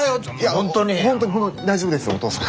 本当に本当に大丈夫ですお父さん。